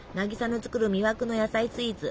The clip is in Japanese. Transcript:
渚の作る魅惑の野菜スイーツ